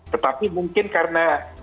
tetapi mungkin karena